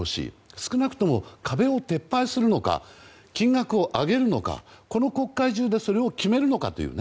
少なくとも壁を撤廃するのか金額を上げるのか、この国会中でそれを決めるのかというね